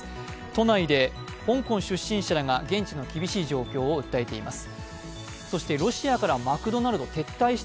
都内で香港出身者らが現地の厳しい状況を訴えています。